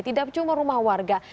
tidak cuma rumah warga